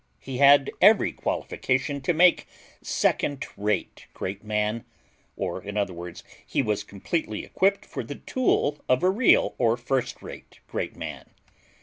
He had every qualification to make second rate GREAT MAN; or, in other words, he was completely equipped for the tool of a real or first rate GREAT MAN.